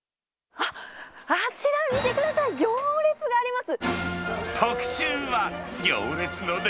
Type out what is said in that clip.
あっ、あちら見てください、行列があります。